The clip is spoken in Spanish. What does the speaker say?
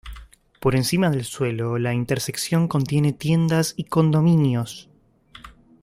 Por encima del suelo, la intersección contiene tiendas y condominios.